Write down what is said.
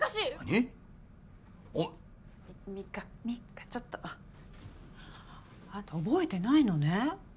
美香ちょっと。あんた覚えてないのね。